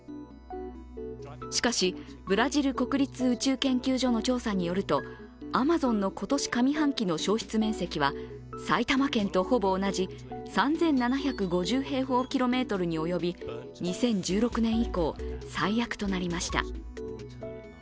しかし、ブラジル国立宇宙研究所の調査によるとアマゾンの今年上半期の消失面積は埼玉県とほぼ同じ３７５０平方キロメートルに及び２０１６年以降、最悪となりました。